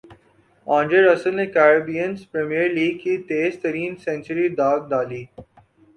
ندرے Russell نے Caribbean premier league کی تیز ترین سنچری داغ ڈالی